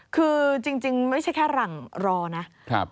คือจริงไม่ใช่แค่หลังรอนะ